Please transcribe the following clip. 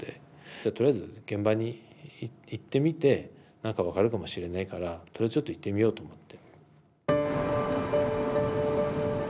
とりあえず現場に行ってみて何か分かるかもしれないからとりあえずちょっと行ってみようと思って。